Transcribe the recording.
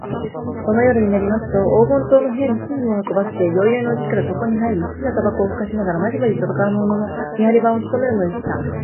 その夜になりますと、黄金塔の部屋に夜具を運ばせて、宵よいのうちから床にはいり、すきなたばこをふかしながら、まじまじと宝物の見はり番をつとめるのでした。